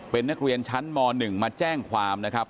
เป็นนักเรียนชั้นม๑มาแจ้งความนะครับ